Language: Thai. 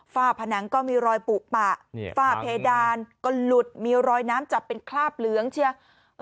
ฝนังก็มีรอยปุปะฝ้าเพดานก็หลุดมีรอยน้ำจับเป็นคราบเหลืองเชียว